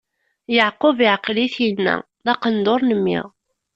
Yeɛqub iɛeql-it, inna: D aqendur n mmi!